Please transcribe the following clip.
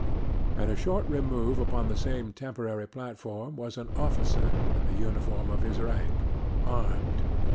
At a short remove upon the same temporary platform was an officer in the uniform of his rank, armed.